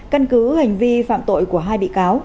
căn cứ hành vi phạm tội của hai bị cáo